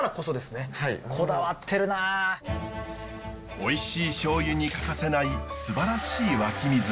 おいしいしょうゆに欠かせないすばらしい湧き水。